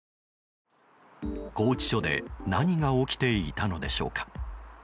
拘置所で何が起きていたのでしょうか。